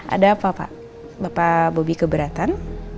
ada apa pak bapak bobi keberatan